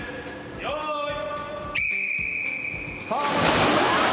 用意。